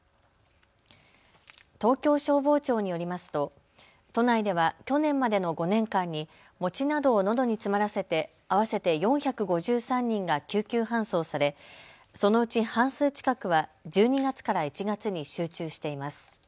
東京消防庁によりますと都内では去年までの５年間に餅などをのどに詰まらせて合わせて４５３人が救急搬送され、そのうち半数近くは１２月から１月に集中しています。